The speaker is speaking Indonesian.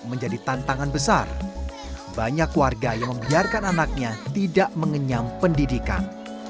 menjadi tantangan besar banyak warga yang membiarkan anaknya tidak mengenyam pendidikan